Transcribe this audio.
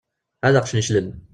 Ad aɣ-cneclen!